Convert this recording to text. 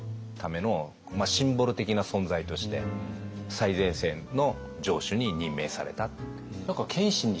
最前線の城主に任命された。